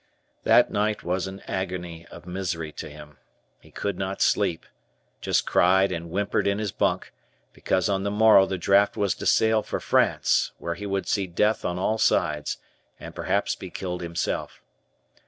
That night was an agony of misery to him. He could not sleep. Just cried and whimpered in his bunk, because on the morrow the draft was to sail for France, where he would see death on all sides, and perhaps be killed himself.